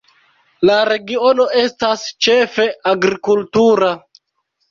La regiono estas ĉefe agrikultura.